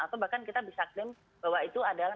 atau bahkan kita bisa klaim bahwa itu adalah